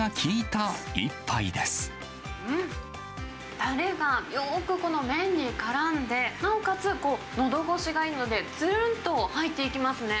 たれが、よーくこの麺にからんで、なおかつ、のどごしがいいので、つるんっと入っていきますね。